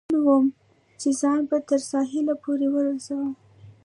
خو هیله من ووم، چې ځان به تر ساحل پورې ورسوم.